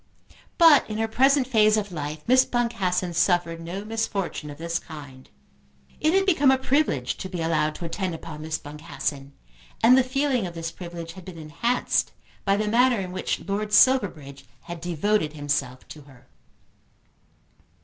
But in her present phase of life Miss Boncassen suffered no misfortune of this kind. It had become a privilege to be allowed to attend upon Miss Boncassen, and the feeling of this privilege had been enhanced by the manner in which Lord Silverbridge had devoted himself to her.